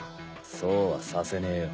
そうはさせねえよ。